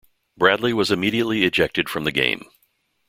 Bradley was immediately ejected from the game.